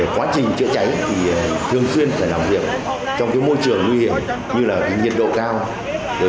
quá trình chữa cháy thì thường xuyên phải làm việc trong môi trường nguy hiểm như nhiệt độ cao